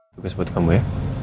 tugas buat kamu ya